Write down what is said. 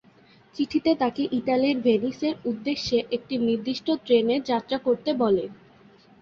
চিঠিতে তাকে ইতালির ভেনিসের উদ্দেশ্যে একটি নির্দিষ্ট ট্রেনে যাত্রা করতে বলে।